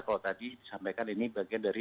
kalau tadi disampaikan ini bagian dari